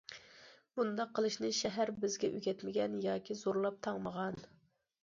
بۇنداق قىلىشنى شەھەر بىزگە ئۆگەتمىگەن ياكى زورلاپ تاڭمىغان.